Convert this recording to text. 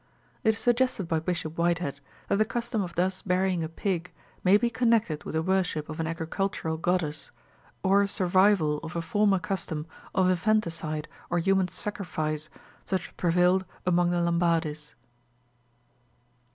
It is suggested by Bishop Whitehead that the custom of thus burying a pig may be connected with the worship of an agricultural goddess, or a survival of a former custom of infanticide or human sacrifice, such as prevailed among the Lambadis.